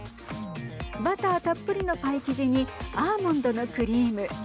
バターたっぷりのパイ生地にアーモンドのクリーム。